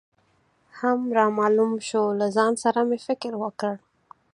هم رامعلوم شو، له ځان سره مې فکر وکړ.